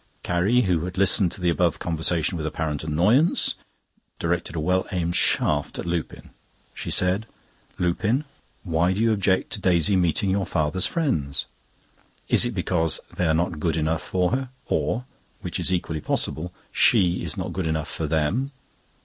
Carrie, who had listened to the above conversation with apparent annoyance, directed a well aimed shaft at Lupin. She said: "Lupin, why do you object to Daisy meeting your father's friends? Is it because they are not good enough for her, or (which is equally possible) she is not good enough for them?"